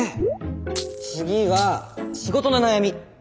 次は仕事の悩み。